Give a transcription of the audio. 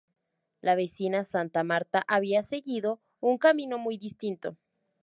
La vecina Santa Marta había seguido un camino muy distinto.